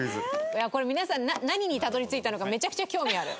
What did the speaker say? いやこれ皆さん何にたどり着いたのかめちゃくちゃ興味ある。